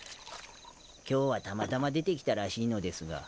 今日はたまたま出てきたらしいのですが。